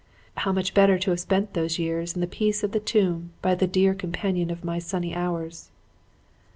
How much better to have spent those years in the peace of the tomb by the dear companion of my sunny hours!